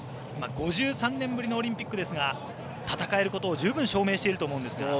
５３年ぶりのオリンピックですが戦えることを十分証明していると思うんですが。